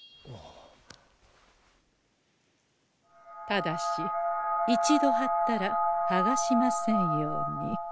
ただし一度はったらはがしませんように。